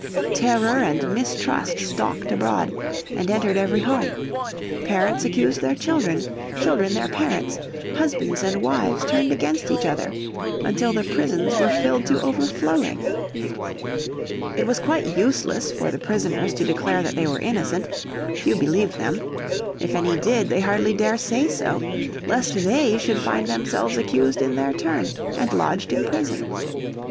Terror and mistrust stalked abroad, and entered every home. Parents accused their children, children their parents, husbands and wives turned against each other until the prisons were filled to overflowing. It was quite useless for the prisoners to declare that they were innocent. Few believed them. If any did they hardly dare say so, lest they should find themselves accused in their turn and lodged in prison.